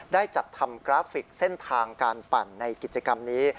ได้จัดทำกราฟิกเส้นทางการปั่นในกิจกรรมนี้